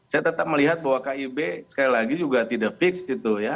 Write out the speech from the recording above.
saya tetap melihat bahwa kib sekali lagi juga tidak fix gitu ya